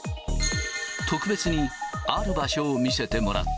特別にある場所を見せてもらった。